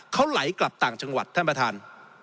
เขาไหลกลับต่างจังหวัดท่านประธาน